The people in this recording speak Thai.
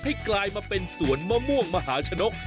กลายมาเป็นสวนมะม่วงมหาชนก